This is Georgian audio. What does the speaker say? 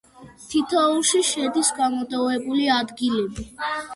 თითოეულში შედის გამოტოვებული ადგილები.